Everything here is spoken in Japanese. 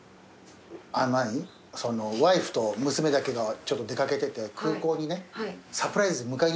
ワイフと娘だけで出掛けてて空港にねサプライズで迎えに行ったのよ。